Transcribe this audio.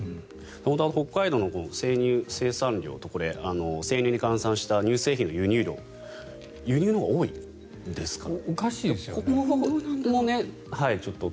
北海道の生乳生産量と生乳に換算した輸入量輸入のほうが多いんですから。